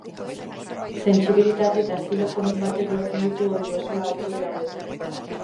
Sentsibilitate eta estilo komun batek lotzen ditu Odriozola autore hauekin.